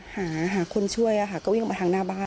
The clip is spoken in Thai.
หาคนช่วยก็วิ่งออกมาทางหน้าบ้าน